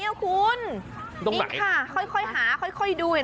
ระวังค่อยค่อยไหาค่อย